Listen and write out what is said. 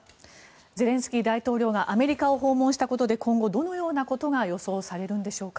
ゼレンスキー大統領がアメリカを訪問したことで今後、どのようなことが予想されるんでしょうか。